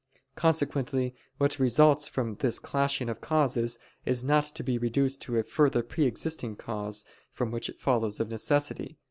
Consequently what results from this clashing of causes is not to be reduced to a further pre existing cause, from which it follows of necessity.